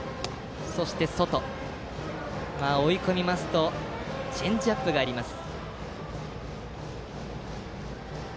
追い込みますとチェンジアップがあります。